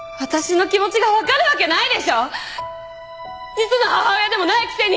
実の母親でもないくせに！